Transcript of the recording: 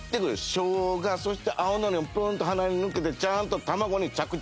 しょうがそして青のりがプンと鼻に抜けてちゃんと卵に着地する。